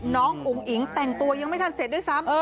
อุ๋งอิ๋งแต่งตัวยังไม่ทันเสร็จด้วยซ้ำ